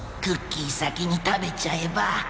クッキーさきにたべちゃえば。